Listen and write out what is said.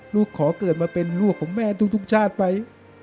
ขอเกิดมาเป็นลูกของแม่ทุกชาติไป